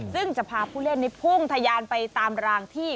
ซึ่งจะพาผู้เล่นนี้พุ่งทะยานไปตามรางที่